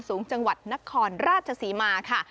สูงจังหวัดนครราชศรีมาค่ะ